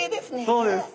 そうです。